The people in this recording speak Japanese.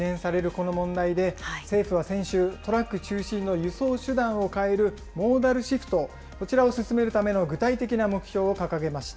この問題で、政府は先週、トラック中心の輸送手段を変えるモーダルシフト、こちらを進めるための具体的な目標を掲げました。